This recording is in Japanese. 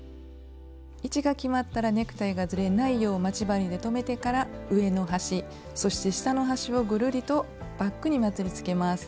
位置が決まったらネクタイがずれないよう待ち針で留めてから上の端そして下の端をぐるりとバッグにまつりつけます。